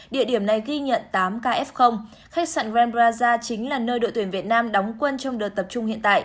địa điểm này ghi nhận tám kf khách sạn rembraza chính là nơi đội tuyển việt nam đóng quân trong đợt tập trung hiện tại